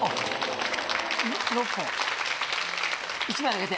１枚あげて。